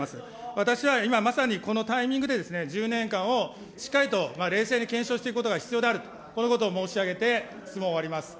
私は今まさにこのタイミングで、１０年間をしっかりと冷静に検証していくことが必要である、このことを申し上げて質問を終わります。